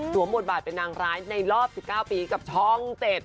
บทบาทเป็นนางร้ายในรอบ๑๙ปีกับช่อง๗